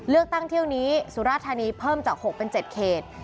เลือกตั้งเที่ยวนี้สุราธานีเพิ่มจาก๖เป็น๗เขต